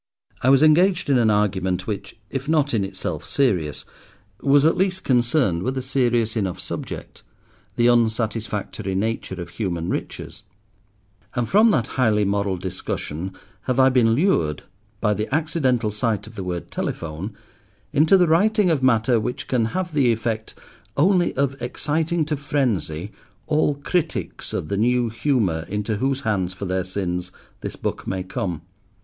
I was engaged in an argument, which, if not in itself serious, was at least concerned with a serious enough subject, the unsatisfactory nature of human riches; and from that highly moral discussion have I been lured, by the accidental sight of the word "telephone," into the writing of matter which can have the effect only of exciting to frenzy all critics of the New Humour into whose hands, for their sins, this book may come.